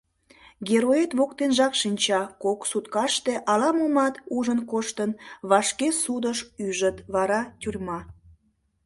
«Героет» воктенжак шинча, кок суткаште ала-момат ужын коштын, вашке судыш ӱжыт, вара — тюрьма.